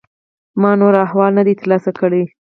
ما نور احوال نه دی ترلاسه کړی.